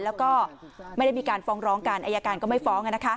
แล้วก็ไม่ได้มีการฟ้องร้องกันอายการก็ไม่ฟ้อง